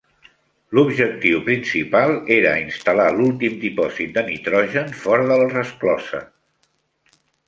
L'objectiu principal era instal·lar l'últim dipòsit de nitrogen fora de la resclosa.